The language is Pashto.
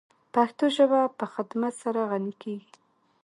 پښتو ژبه په خدمت سره غَنِی کیږی.